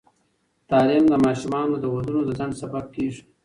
تعلیم د ماشومانو د ودونو د ځنډ سبب کېږي.